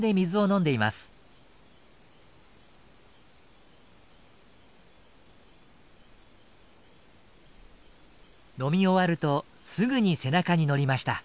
飲み終わるとすぐに背中に乗りました。